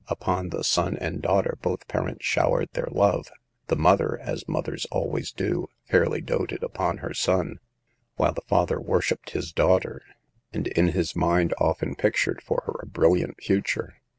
Upon the son and daughter both parents showered their love. The mother — as mothers always do — fairly doted upon her son, while the father worshiped his daughter, and in his mind often pictured for her a brilliant future.